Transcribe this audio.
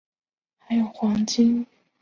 还有黄金鱼蛋